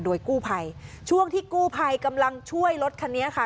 โดยกู้ภัยช่วงที่กู้ภัยกำลังช่วยรถคันนี้ค่ะ